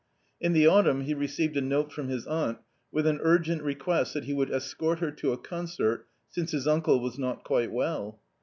In the autumn he received a note from his aunt with an urgent request that he would escort her to a concert since his uncle was not quite well.